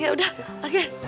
ya udah oke